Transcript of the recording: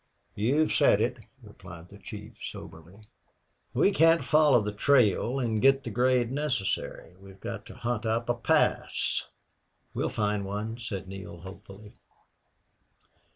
"You've said it," replied the chief, soberly. "We can't follow the trail and get the grade necessary. We've got to hunt up a pass." "We'll find one," said Neale, hopefully.